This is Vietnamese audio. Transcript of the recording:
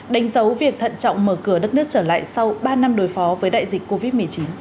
đánh dấu việc thận trọng mở cửa đất nước trở lại sau ba năm đối phó với đại dịch covid một mươi chín